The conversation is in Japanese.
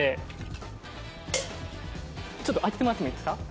ちょっと開けてもらってもいいですか？